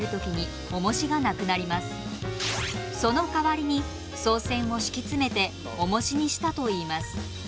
その代わりに宋銭を敷き詰めて重しにしたといいます。